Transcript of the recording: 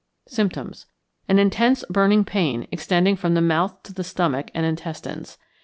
Symptoms. An intense burning pain extending from the mouth to the stomach and intestines.